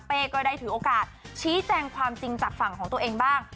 ก็ได้ถือโอกาสชี้แจงความจริงจากฝั่งของตัวเองบ้าง